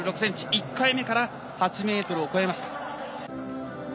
１回目から８ｍを超えました。